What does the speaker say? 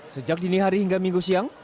sejak dini hari hingga minggu siang